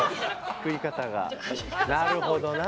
食い方がなるほどな。